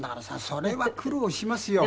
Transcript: それは苦労しますよ。